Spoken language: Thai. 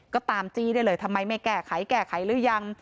ก็ตามจี้ได้เลยทำไมไม่แก้ไขแก้ไขหรือยัง